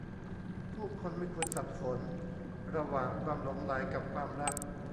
ผู้คนไม่ควรสับสนระหว่างความหลงใหลกับความรัก